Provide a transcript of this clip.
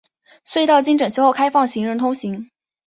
隧道经整修后开放行人通行。